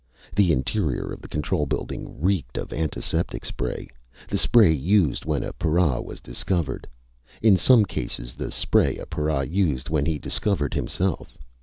The interior of the control building reeked of antiseptic spray the spray used when a para was discovered. In some cases, the spray a para used when he discovered himself.